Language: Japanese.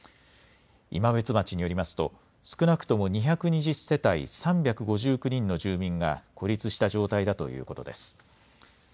今別町によりますと少なくとも２２０世帯３５９人の住民が孤立した状態だということです。